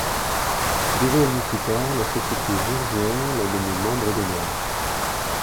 Deux ans et demi plus tard, la Société Jersiaise l’a nommé membre d’honneur.